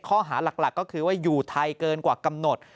ข้อหาหลักก็คือว่าอยู่ไทยเกินกว่ากำหนด